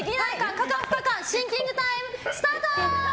可か不可かシンキングタイムスタート！